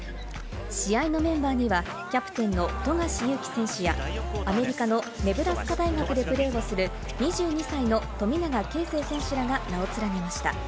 試合のメンバーにはキャプテンの富樫勇樹選手やアメリカのネブラスカ大学でプレーをする、２２歳の富永啓生選手らが名を連ねました。